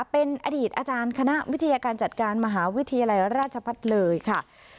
เป็นอดีตอาจารย์คณะวิทยาการจัดการมหาวิทยาลัยราชพัฒน์เลยค่ะ